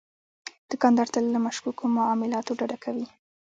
دوکاندار تل له مشکوکو معاملاتو ډډه کوي.